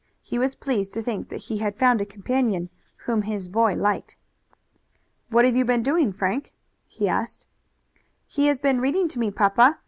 He was pleased to think that he had found a companion whom his boy liked. "What have you been doing, Frank?" he asked. "He has been reading to me, papa.